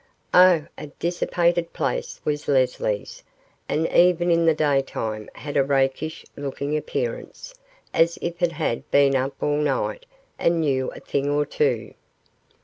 Oh! a dissipated place was Leslie's, and even in the daytime had a rakish looking appearance as if it had been up all night and knew a thing or two.